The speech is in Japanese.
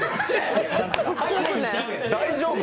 大丈夫？